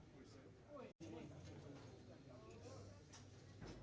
sisi pick up